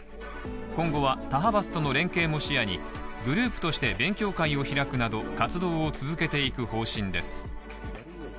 今後は他派閥との連携も視野に、グループとして勉強会を開くなど、活動を続けていく方針です。